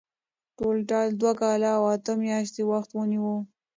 ټولټال دوه کاله او اته میاشتې وخت ونیو.